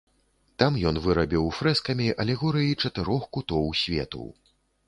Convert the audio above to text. Там ён вырабіў фрэскамі алегорыі чатырох кутоў свету.